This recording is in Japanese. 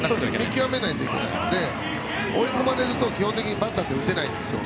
見極めないといけないので追い込まれると基本的にバッターって打てないんですよ。